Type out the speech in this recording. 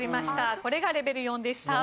これがレベル４でした。